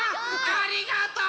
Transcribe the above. ありがとう！